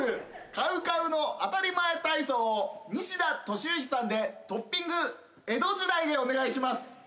ＣＯＷＣＯＷの「あたりまえ体操」を西田敏行さんでトッピング江戸時代でお願いします！